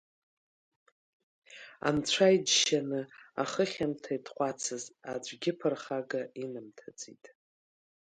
Анцәа иџьшьаны, ахы хьамҭа итҟәацыз аӡәгьы ԥырхага инамҭаӡеит.